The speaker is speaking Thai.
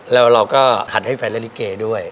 แล้วเราก็หัดให้แฟนเล่นลิเกด้วย